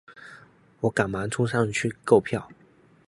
我赶忙冲上去购票